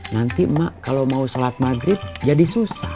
nanti mak kalau mau sholat maghrib jadi susah